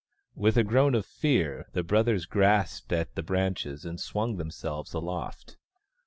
With a groan of fear, the brothers grasped at the branches and swung themselves aloft.